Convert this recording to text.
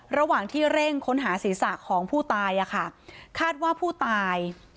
ระหว่างที่เร่งค้นหาศีรษะของผู้ตายอ่ะค่ะคาดว่าผู้ตาย